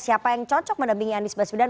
siapa yang cocok mendampingi anies baswedan